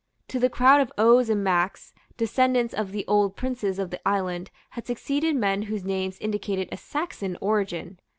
To the crowd of O's and Macs, descendants of the old princes of the island, had succeeded men whose names indicated a Saxon origin.